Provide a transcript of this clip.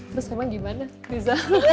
terus emang gimana riza